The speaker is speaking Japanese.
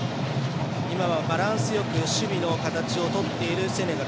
今はバランスよく守備の形をとっているセネガル。